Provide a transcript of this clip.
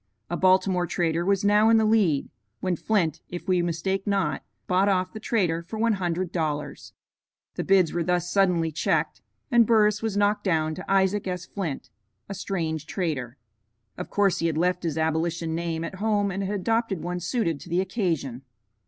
A Baltimore trader was now in the lead, when Flint, if we mistake not, bought off the trader for one hundred dollars. The bids were thus suddenly checked, and Burris was knocked down to Isaac S. Flint (a strange trader). Of course he had left his abolition name at home and had adopted one suited to the occasion.